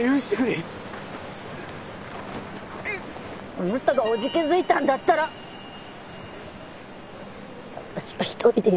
あなたが怖じ気づいたんだったら私が一人でやる。